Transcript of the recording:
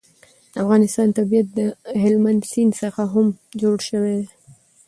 د افغانستان طبیعت له هلمند سیند څخه هم جوړ شوی دی.